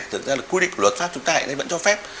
thực ra là quy định của luật pháp chúng ta lại vẫn cho phép